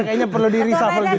ketua pssi harus diresuffle juga ya